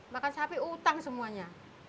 makan sapi utang semuanya